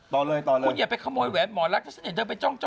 ต่อเลยต่อเลยคุณอย่าไปขโมยแหวนหมอลักษณ์จะเสน่ห์เธอไปจ้อง